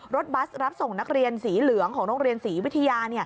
บัสรับส่งนักเรียนสีเหลืองของโรงเรียนศรีวิทยา